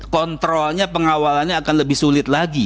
kontrolnya pengawalannya akan lebih sulit lagi